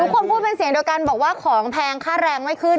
พูดเป็นเสียงเดียวกันบอกว่าของแพงค่าแรงไม่ขึ้น